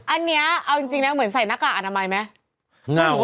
อันนี้เอาจริงนะเหมือนใส่หน้ากากอนามัยไหม